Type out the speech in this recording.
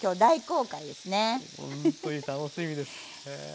ほんとに楽しみです。